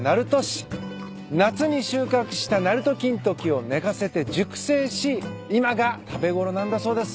夏に収穫したなると金時を寝かせて熟成し今が食べ頃なんだそうです。